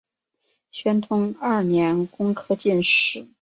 宣统二年工科进士。